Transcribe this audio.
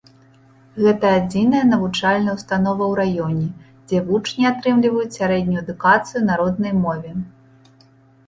Гэта адзіная навучальная ўстанова ў раёне, дзе вучні атрымліваюць сярэднюю адукацыю на роднай мове.